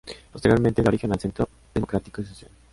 Posteriormente, da origen al Centro Democrático y Social.